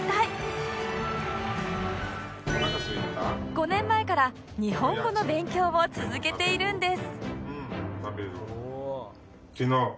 ５年前から日本語の勉強を続けているんです